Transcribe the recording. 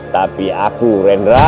tapi aku rainra